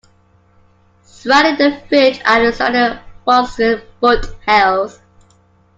Surrounding the village are the stunning Vosges foothills.